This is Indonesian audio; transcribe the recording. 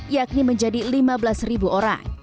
yakni menjadi lima belas orang